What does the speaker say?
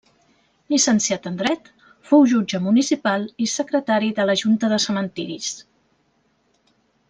Llicenciat en dret, fou jutge municipal i secretari de la Junta de Cementiris.